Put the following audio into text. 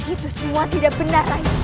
itu semua tidak benar